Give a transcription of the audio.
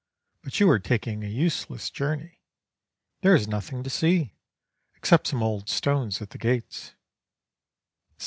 But you are taking a useless Journey there is nothing to see, except soiae old stones at the gates."